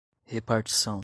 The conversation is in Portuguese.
repartição